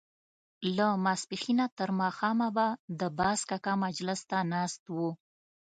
له ماسپښينه تر ماښامه به د باز کاکا مجلس ته ناست وو.